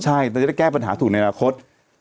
ใช่เราจะได้แก้ปัญหาถูกในอนาคต